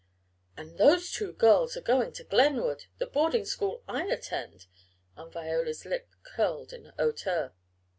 "And those two girls are going to Glenwood the boarding school I attend!" and Viola's lip curled in hauteur.